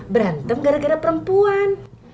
berantem gara gara perempuan